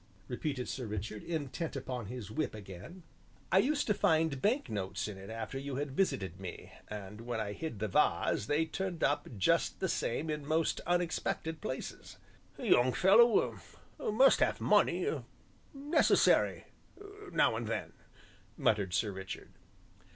repeated Sir Richard, intent upon his whip again. "I used to find bank notes in it after you had visited me, and when I hid the vase they turned up just the same in most unexpected places." "Young fellow must have money necessary now and then," muttered Sir Richard.